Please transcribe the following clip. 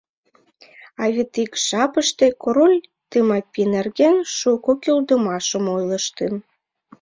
А вет ик жапыште Король Тымапи нерген шуко кӱлдымашым ойлыштын.